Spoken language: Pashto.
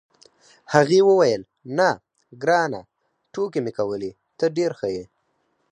هغې وویل: نه، ګرانه، ټوکې مې کولې، ته ډېر ښه یې.